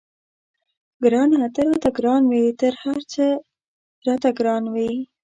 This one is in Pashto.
ګرانه ته راته ګران وې تر هر څه راته ګران وې.